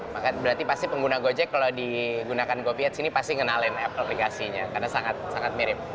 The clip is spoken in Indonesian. berarti pasti pengguna gojek kalau digunakan goviet di sini pasti ngenalin aplikasinya karena sangat mirip